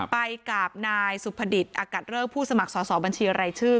ไปกับนายสุภดิษฐ์อากัดเริกผู้สมัครสอบบัญชีรายชื่อ